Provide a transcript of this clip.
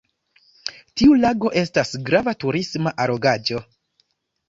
Tiu lago estas grava turisma allogaĵo.